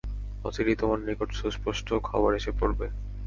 অচিরেই তোমার নিকট সুস্পষ্ট খবর এসে পড়বে।